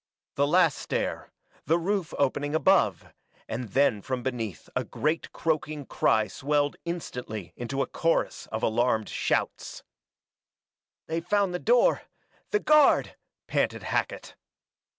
The last stair the roof opening above; and then from beneath a great croaking cry swelled instantly into chorus of a alarmed shouts. "They've found the door the guard!" panted Hackett.